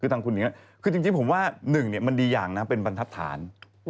ทางคุณหนิงจริงผมว่า๑เดียางเป็นบัณฑฐาน